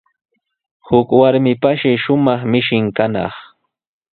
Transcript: Huk warmipashi shumaq mishin kanaq.